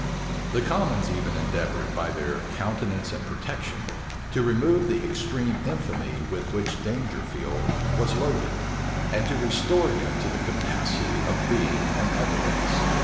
The commons even endeavored, by their countenance and protection, to remove the extreme infamy with which Dangerfield was loaded, and to restore him to the capacity of being an evidence.